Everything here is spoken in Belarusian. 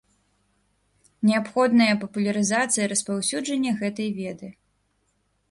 Неабходныя папулярызацыя і распаўсюджанне гэтай веды.